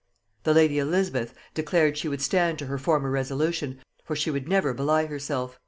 The lady Elizabeth declared she would stand to her former resolution, for she would never belie herself.